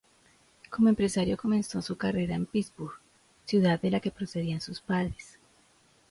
Como empresario, comenzó su carrera en Pittsburgh, ciudad de la que procedían sus padres.